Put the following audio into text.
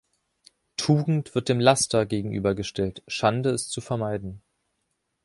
„Tugend“ wird dem „Laster“ gegenübergestellt, „Schande“ ist zu vermeiden.